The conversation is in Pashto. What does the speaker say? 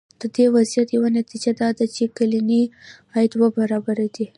د دې وضعیت یوه نتیجه دا ده چې کلنی عاید دوه برابره دی.